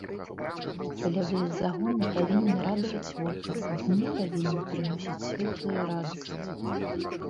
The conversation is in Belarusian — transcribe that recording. Палявыя загоны павінны радаваць вока, дні павінны прыносіць светлую радасць.